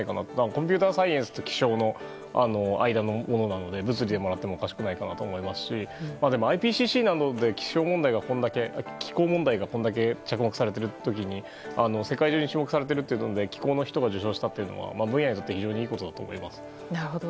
コンピューターサイエンスって気象の間のものなので物理でもらってもおかしくないと思いますしＩＰＣＣなどでこれだけ気候問題が着目されている時に世界中で注目されている中気候の人が受賞したというのは分野において非常にいいことだと思います。